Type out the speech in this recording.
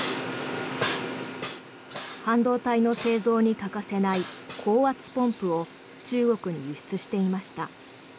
半導体の製造に欠かせない高圧ポンプを中国に輸出していました。